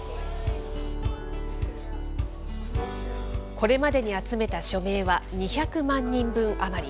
これまでに集めた署名は２００万人分余り。